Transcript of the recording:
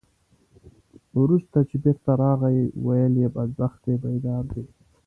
وروسته چې بېرته راغی، ویل یې بخت دې بیدار دی.